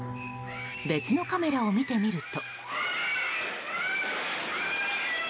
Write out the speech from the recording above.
別のカメラを見てみると。